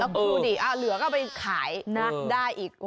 ดูดีอ้าวเหลือก็ไปขายได้อีก